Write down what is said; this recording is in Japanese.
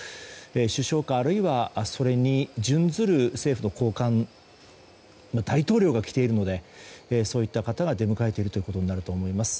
首相か、あるいはそれに準ずる政府の高官大統領が来ているのでそういった方が出迎えているということになると思います。